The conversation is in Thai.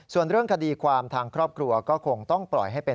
ส่วนเรื่องคดีความทางครอบครัวก็คงต้องปล่อยให้เป็น